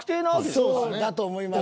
そうだと思います。